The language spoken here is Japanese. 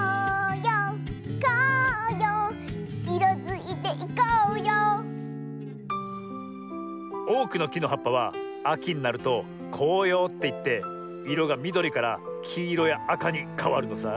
ようこうよういろづいていこうようおおくのきのはっぱはあきになると「こうよう」っていっていろがみどりからきいろやあかにかわるのさ。